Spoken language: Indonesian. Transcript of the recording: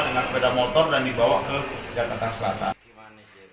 dengan sepeda motor dan dibawa ke jakarta selatan